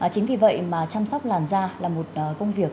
chính vì vậy mà chăm sóc làn da là một công việc